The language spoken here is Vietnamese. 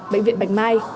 bệnh viện bạch mai